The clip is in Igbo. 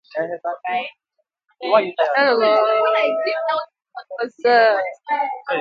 mana otu ọbụla e sina mee ya